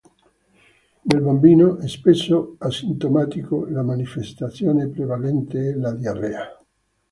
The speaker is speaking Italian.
Nel bambino, spesso asintomatico, la manifestazione prevalente è la diarrea.